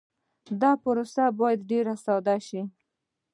دا پروسه باید ډېر ساده شي.